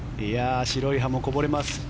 白い歯もこぼれます。